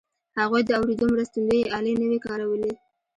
هغوی د اورېدو مرستندويي الې نه وې کارولې